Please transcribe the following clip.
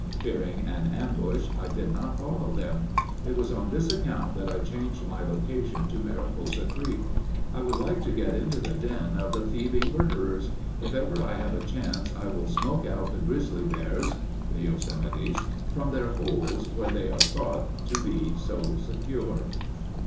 Fearing an ambush, I did not follow them. It was on this account that I changed my location to Mariposa Creek. I would like to get into the den of the thieving murderers. If ever I have a chance I will smoke out the Grizzly Bears [the Yosemites] from their holes, where they are thought to be so secure."